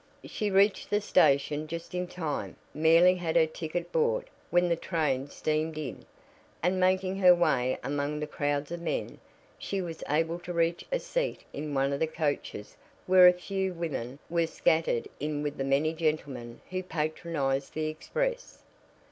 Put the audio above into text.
She reached the station just in time merely had her ticket bought when the train steamed in and making her way among the crowds of men, she was able to reach a seat in one of the coaches where a few women were scattered in with the many gentlemen who patronized the express.